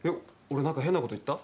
俺何か変なこと言った？